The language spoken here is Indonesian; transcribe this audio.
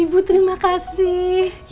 ibu terima kasih